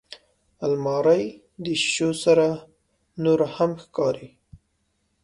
الماري د شیشو سره نورهم ښکاري